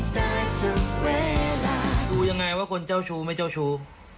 ดูยังไงว่าคนเจ้าชู้ไม่เจ้าชู้